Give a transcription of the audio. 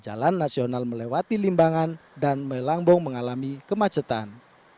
jalan nasional melewati limbangan dan melambung mengalami kemacetan